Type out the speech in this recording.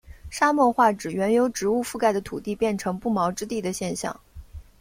沙漠化指原由植物覆盖的土地变成不毛之地的现象。